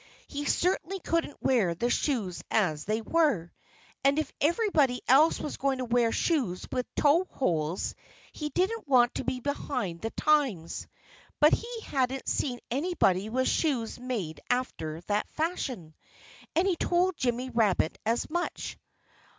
He certainly couldn't wear the shoes as they were. And if everybody else was going to wear shoes with toe holes, he didn't want to be behind the times. But he hadn't seen anybody with shoes made after that fashion. And he told Jimmy Rabbit as much.